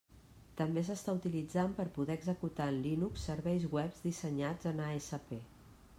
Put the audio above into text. També s'està utilitzant per poder executar en Linux serveis web dissenyats en ASP.